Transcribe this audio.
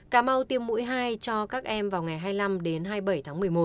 cà mau tiêm mũi hai cho các em vào ngày hai mươi năm hai mươi bảy một mươi một